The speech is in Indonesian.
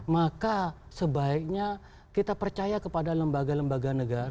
maka sebaiknya kita percaya kepada lembaga lembaga negara